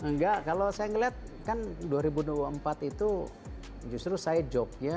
nggak kalau saya ngelihat kan dua ribu dua puluh empat itu justru saya joke